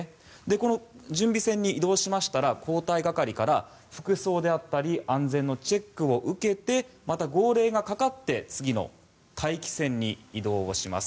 この準備線に移動しましたら交代係から服装であったり安全のチェックを受けてまた号令がかかって次の待機線に移動します。